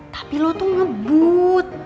tapi lo tuh ngebut